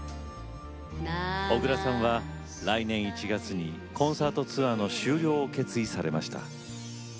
小椋さんは来年１月にコンサートツアーの終了を決意されました。